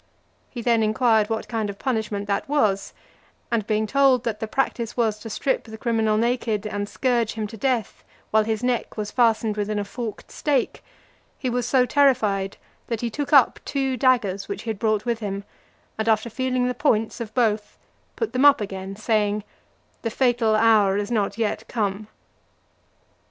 He then inquired what kind of punishment that was; and being told, that the (378) practice was to strip the criminal naked, and scourge him to death, while his neck was fastened within a forked stake, he was so terrified that he took up two daggers which he had brought with him, and after feeling the points of both, put them up again, saying, "The fatal hour is not yet come."